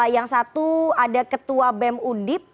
yang satu ada ketua bem undip